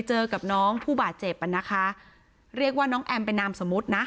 เจอกับน้องผู้บาดเจ็บอ่ะนะคะเรียกว่าน้องแอมเป็นนามสมมุตินะ